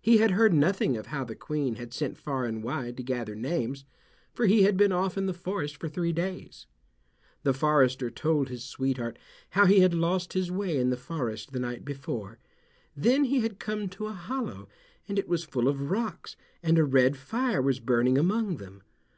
He had heard nothing of how the Queen had sent far and wide to gather names, for he had been off in the forest for three days. The forester told his sweetheart how he had lost his way in the forest the night before. Then he had come to a hollow, and it was full of rocks, and a red fire was burning among them.